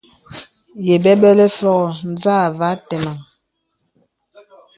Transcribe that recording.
Ye bəbələ fògo nzà wà àteməŋ.